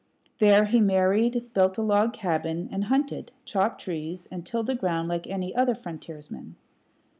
There he married, built a log cabin, and hunted, chopped trees, and tilled the ground like any other frontiersman.